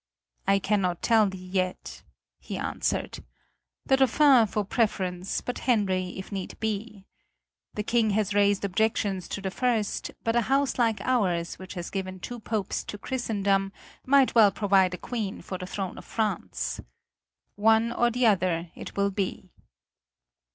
"I cannot tell thee yet," he answered. "The Dauphin for preference, but Henry if need be. The King has raised objections to the first, but a house like ours, which has given two Popes to Christendom, might well provide a Queen for the throne of France. One or the other it will be."